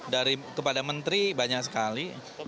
dari kepada menteri banyak sekali